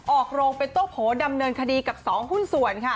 ออกโรงเป็นโต้โผดำเนินคดีกับ๒หุ้นส่วนค่ะ